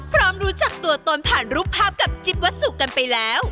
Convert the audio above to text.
รู้จักตัวตนผ่านรูปภาพกับจิ๊บวัสสุกันไปแล้ว